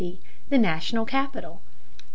C., the National capital. 549.